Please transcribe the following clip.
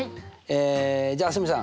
じゃあ蒼澄さん